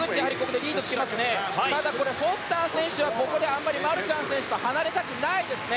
フォスター選手はここでマルシャン選手と、あまり離れたくないですね。